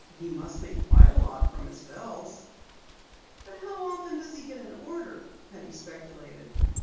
"He must make quite a lot from his bells." "But how often does he get an order?" Penny speculated.